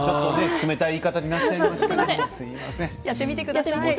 冷たい言い方になっちゃいましたが、すみません。